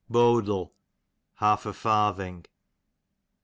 Boadle, half a farthing.